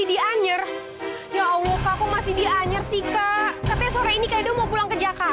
dia juga cuma penjahat yang cukup